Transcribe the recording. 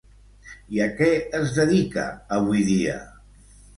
I a què es dedica avui dia?